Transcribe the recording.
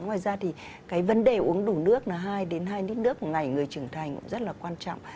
ngoài ra thì cái vấn đề uống đủ nước hai đến hai lít nước một ngày người trưởng thành cũng rất là quan trọng